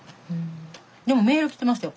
でもメール来てましたよ